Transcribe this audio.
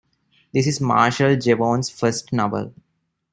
This is Marshall Jevons' first novel.